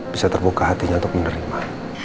bisa terbuka hatinya untuk menerima